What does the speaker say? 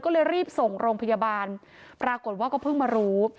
ก็เลยรีบส่งโรงพยาบาลปรากฏว่าก็เพิ่งมารู้